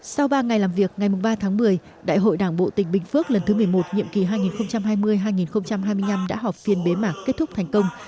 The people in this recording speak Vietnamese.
sau ba ngày làm việc ngày ba tháng một mươi đại hội đảng bộ tỉnh bình phước lần thứ một mươi một nhiệm kỳ hai nghìn hai mươi hai nghìn hai mươi năm đã họp phiên bế mạc kết thúc thành công